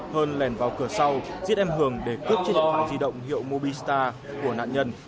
hơn lên vào cửa sau giết em hường để cướp chiếc điện thoại di động hiệu mobista của nạn nhân